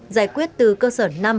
giải quyết từ cơ sở năm